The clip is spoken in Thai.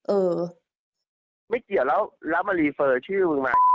เออไม่เกี่ยวแล้วแล้วมารีเฟอร์ชื่อมึงมา